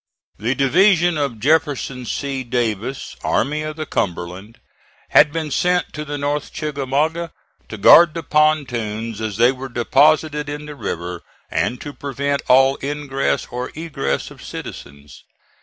The division of Jefferson C. Davis, Army of the Cumberland, had been sent to the North Chickamauga to guard the pontoons as they were deposited in the river, and to prevent all ingress or egress of citizens.